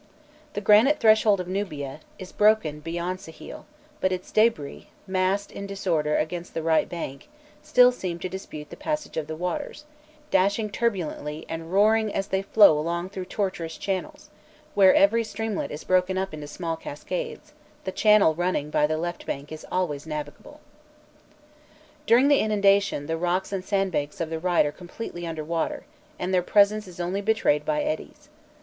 The granite threshold of Nubia, is broken beyond Sehêl, but its débris, massed m disorder against the right bank, still seem to dispute the passage of the waters, dashing turbulently and roaring as they flow along through tortuous channels, where every streamlet is broken up into small cascades, ihe channel running by the left bank is always navigable. [Illustration: 015.jpg ENTRANCE TO NUBIA.] During the inundation, the rocks and sandbanks of the right side are completely under water, and their presence is only betrayed by eddies.